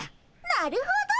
なるほど！